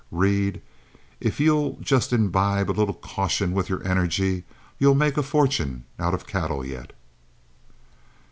Reed, if you'll just imbibe a little caution with your energy, you'll make a fortune out of cattle yet."